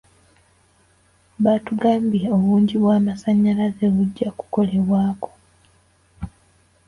Baatugambye obungi bw'amasannyalaze bujja kukolebwako.